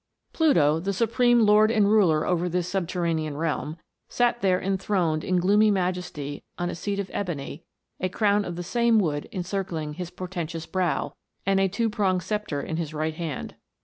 Pluto, the supreme lord and ruler over this subterranean realm, sat here enthroned in gloomy majesty, on a seat of ebony, a crown of the same wood encircling his " portentous brow," and a two pronged sceptre in his right hand.